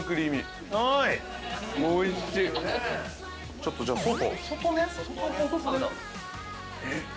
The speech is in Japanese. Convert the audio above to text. ◆ちょっと、じゃあ外を。